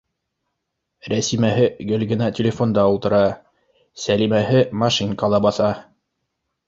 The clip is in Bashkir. Рәсимәһе гел генә телефонда ултыра, Сәлимәһе машинкала баҫа